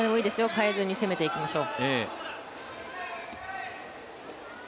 変えずに攻めていきましょう。